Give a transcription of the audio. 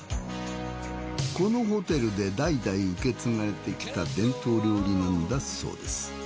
このホテルで代々受け継がれてきた伝統料理なんだそうです。